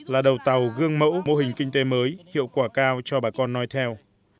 là đầu tàu gương mẫu mô hình kinh tế mới hiệu quả cao cho bà con nói theo